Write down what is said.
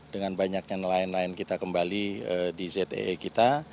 dengan banyaknya nelayan nelayan kita kembali di zee kita